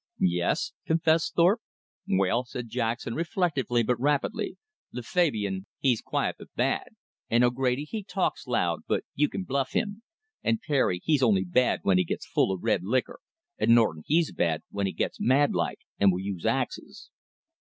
"Yes," confessed Thorpe. "Well," said Jackson, reflectively but rapidly, "Le Fabian, he's quiet but bad; and O'Grady, he talks loud but you can bluff him; and Perry, he's only bad when he gets full of red likker; and Norton he's bad when he gets mad like, and will use axes."